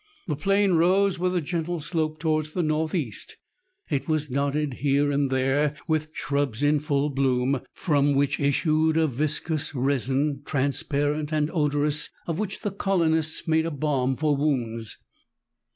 The plain rose with a gentle slope towards the north east. It was dotted here and there with shrubs in full bloom, from which issued a viscous resin, transparent and odorous, of which the colonists 8o meridiana; the adventures of make a balm for wounds.